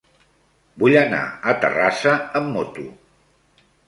Vull anar a Terrassa amb moto.